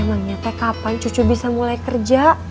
emangnya kayak kapan cucu bisa mulai kerja